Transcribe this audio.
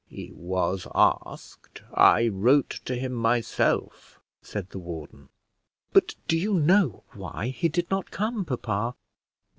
"He was asked; I wrote to him myself," said the warden. "But do you know why he did not come, papa?"